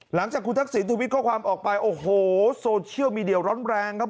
หลังจากคุณทักษิณทวิตข้อความออกไปโอ้โหโซเชียลมีเดียร้อนแรงครับ